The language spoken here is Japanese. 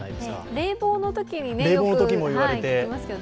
冷房のときに、よく言われますけど。